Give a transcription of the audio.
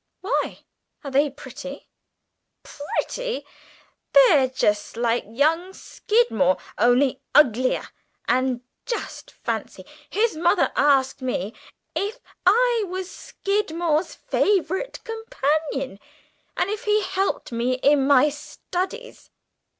"Why, are they pretty?" "Pretty! they're just like young Skidmore only uglier; and just fancy, his mother asked me 'if I was Skidmore's favourite companion, and if he helped me in my studies?'"